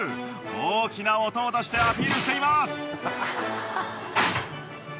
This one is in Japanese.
大きな音を出してアピールしています。